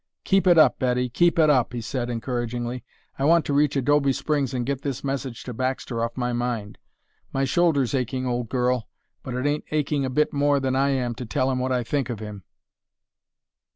"Keep it up, Betty, keep it up," he said encouragingly. "I want to reach Adobe Springs and get this message to Baxter off my mind. My shoulder's aching, old girl, but it ain't aching a bit more than I am to tell him what I think of him."